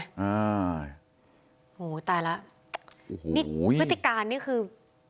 อ่าโหตายแล้วโอ้โหนี่วิธีการเนี่ยคือ